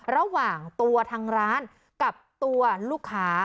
ระหว่างตัวทางร้านกับตัวลูกค้า